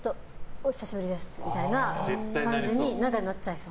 お久しぶりですみたいな感じになっちゃいそう。